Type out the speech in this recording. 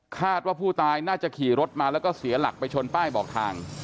คาดว่าผู้ตายน่าจะขี่รถมาแล้วก็เสียหลักไปชนป้ายบอกทาง